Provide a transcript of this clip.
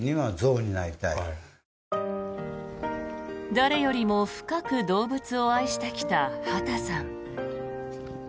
誰よりも深く動物を愛してきた畑さん。